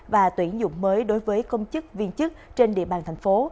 và tuyển dụng mới đối với công chức viên chức trên địa bàn thành phố